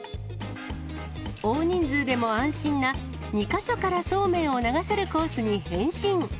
大人数でも安心な２か所からそうめんを流せるコースに変身。